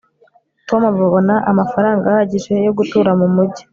tom abona amafaranga ahagije yo gutura mumujyi